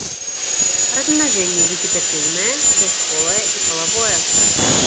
Размнажэнне вегетатыўнае, бясполае і палавое.